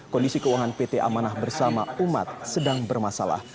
kondisi keuangan pt amanah bersama umat sedang bermasalah